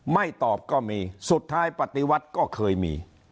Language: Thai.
ไม่ตอบก็มีสุดท้ายปฏิวัติก็เคยมี